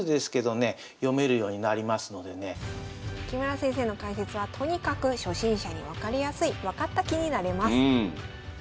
木村先生の解説はとにかく初心者に分かりやすい分かった気になれます。